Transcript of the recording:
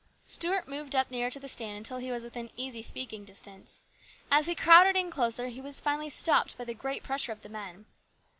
Stuart moved up nearer to the stand until he was within easy speaking distance. As he crowded in closer he was finally stopped by the great pressure of the men.